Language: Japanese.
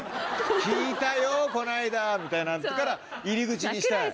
聞いたよこの間みたいなところから入り口にしたい。